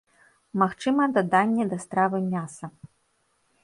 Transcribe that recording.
Магчыма даданне да стравы мяса.